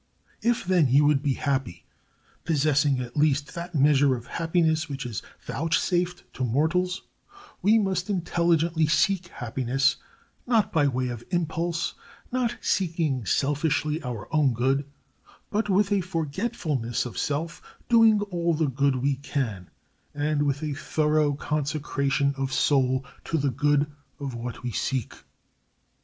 If, then, you would be happy, possessing at least that measure of happiness which is vouchsafed to mortals, we must intelligently seek happiness, not by way of impulse, not seeking selfishly our own good, but with a forgetfulness of self doing all the good we can, and with a thorough consecration of soul to the good of what we seek.